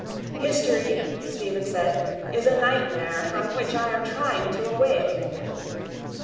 —History, Stephen said, is a nightmare from which I am trying to awake.